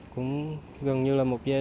cũng gần như là một gia đình